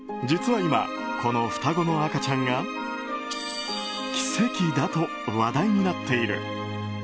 実は今、この双子の赤ちゃんが奇跡だと話題になっている。